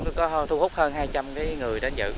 chúng tôi có thu hút hơn hai trăm linh người đến dự